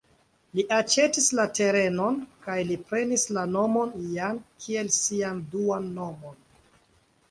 Li aĉetis la terenon, kaj li prenis la nomon "Jan" kiel sian duan nomon.